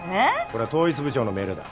これは統一部長の命令だ。